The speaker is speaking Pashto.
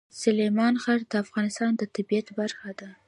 سلیمان غر د افغانستان د طبیعت برخه ده.